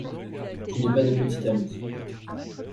Je n'ai pas de petit ami.